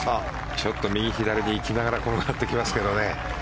ちょっと右左に行きながら転がっていきますけどね。